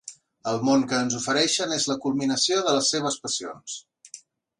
El món que ens ofereixen és la culminació de les seves passions.